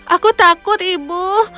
aku takut ibu